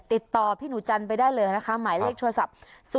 ติดต่อพี่หนูจันไปได้เลยนะคะหมายเลขโทรศัพท์๐๙๘๐๙๐๖๘๙๖